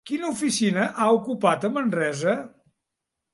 Quina oficina ha ocupat a Manresa?